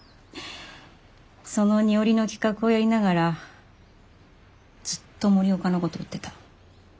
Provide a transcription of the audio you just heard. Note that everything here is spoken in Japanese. その二折の企画をやりながらずっと森岡のこと追ってた。